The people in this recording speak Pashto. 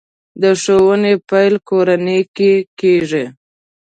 د ښوونې پیل کورنۍ کې کېږي.